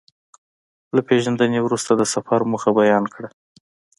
له پېژندنې وروسته د سفر موخه بيان کړه.